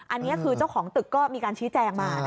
อันนี้คือเจ้าของตึกก็มีการชี้แจงมา